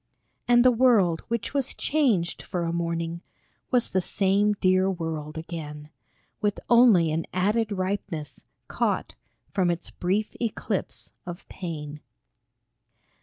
And the world which was changed for a morning Was the same dear world again, With only an added ripeness, caught From its brief eclipse of pain.